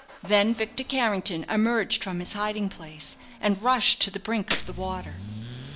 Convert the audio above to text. Then Victor Carrington emerged from his hiding place, and rushed to the brink of the water.